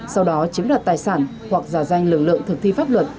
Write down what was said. sau đó chiếm đoạt tài sản hoặc giả danh lực lượng thực thi pháp luật